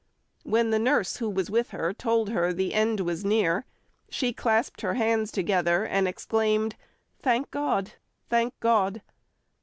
When the nurse who was with her told her the end was near, she clasped her hands together and exclaimed, "Thank God, thank God."